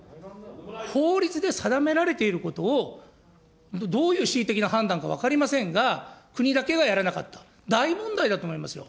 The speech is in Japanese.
法律で定められていることを、どういう恣意的な判断か分かりませんが、国だけがやらなかった、大問題だと思いますよ。